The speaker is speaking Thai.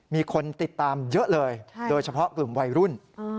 มีคนติดตามเยอะเลยโดยเฉพาะกลุ่มวัยรุ่น